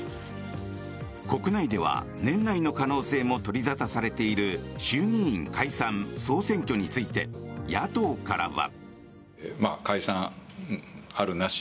国内では、年内の可能性も取り沙汰されている衆議院解散・総選挙について野党からは。